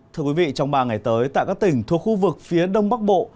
thưa quý vị trong ba ngày tới tại các tỉnh thuộc khu vực phía đông bắc bộ